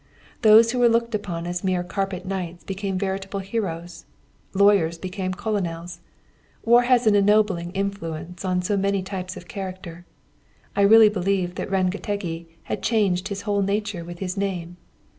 Those who were looked upon as mere carpet knights became veritable heroes; lawyers became colonels: war has an ennobling influence on so many types of character. I really believed that Rengetegi had changed his whole nature with his name.